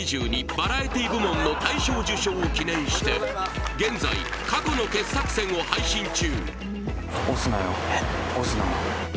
バラエティ部門の大賞受賞を記念して現在過去の傑作選を配信中押すなよ押すなよえっ？